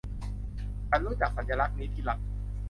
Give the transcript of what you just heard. ฉันรู้จักสัญลักษณ์นี้ที่รัก